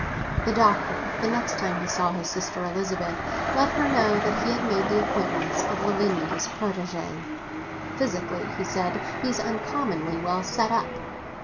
The Doctor, the next time he saw his sister Elizabeth, let her know that he had made the acquaintance of Lavinia's protégé. "Physically," he said, "he's uncommonly well set up.